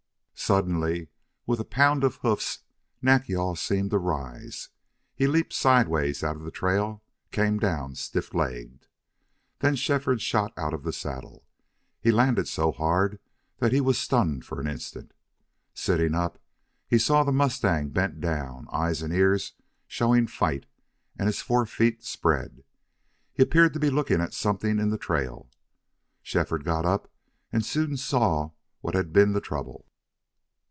Suddenly with a pound of hoofs Nack yal seemed to rise. He leaped sidewise out of the trail, came down stiff legged. Then Shefford shot out of the saddle. He landed so hard that he was stunned for an instant. Sitting up, he saw the mustang bent down, eyes and ears showing fight, and his forefeet spread. He appeared to be looking at something in the trail. Shefford got up and soon saw what had been the trouble.